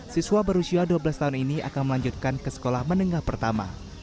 siswa berusia dua belas tahun ini akan melanjutkan ke sekolah menengah pertama